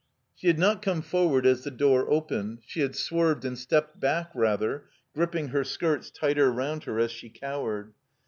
She had not come forward as the door opened; she had swerved and stepped back rather, gripping her skirts tighter round her as she cowered.